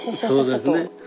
そうですね。